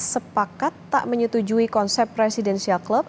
sepakat tak menyetujui konsep presidensial club